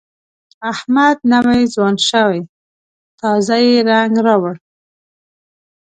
احمد نوی ځوان شوی، تازه یې رنګ راوړ.